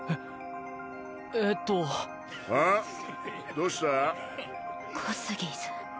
どうした？